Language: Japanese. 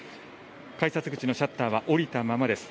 改札口のシャッターは下りたままです。